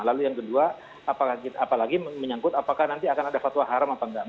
lalu yang kedua apalagi menyangkut apakah nanti akan ada fatwa haram apa enggak